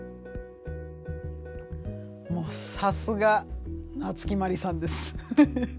もうさすが夏木マリさんです。